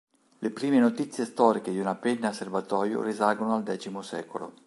Le prime notizie storiche di una penna a serbatoio risalgono al X secolo.